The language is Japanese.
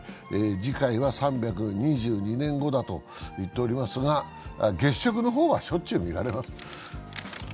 次回は３２２年後だと言っておりますが、月食の方はしょっちゅう見られます。